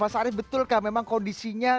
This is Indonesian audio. mas arief betulkah memang kondisinya